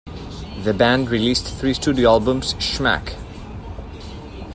The band released three studio albums Schmack!